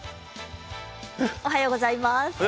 おはようございます。